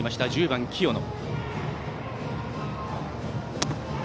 １０番、清野。